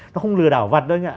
nó không lừa đảo vặt đâu anh ạ